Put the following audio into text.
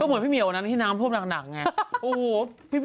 ก็เหมือนพี่เมียวนะที่น้ำพูดมากไง